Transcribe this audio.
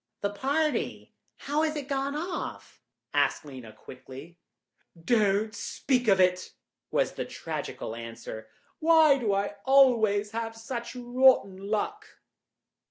"The party, how has it gone off?" asked Lena quickly. "Don't speak of it!" was the tragical answer; "why do I always have such rotten luck?"